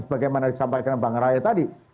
sebagaimana disampaikan pak heru tadi